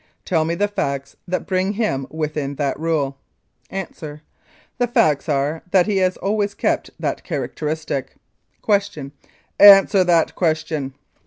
Tell me the facts that bring him within that rule? A. The facts are that he has always kept that characteristic. Q. Answer that question.